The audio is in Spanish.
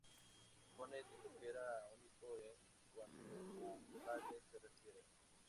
Jones dijo que era "único, en cuanto a Gales se refiere.